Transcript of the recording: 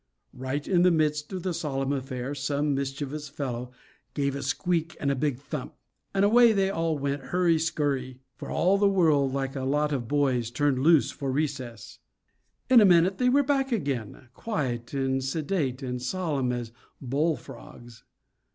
Right in the midst of the solemn affair some mischievous fellow gave a squeak and a big jump; and away they all went hurry skurry, for all the world like a lot of boys turned loose for recess. In a minute they were back again, quiet and sedate, and solemn as bull frogs.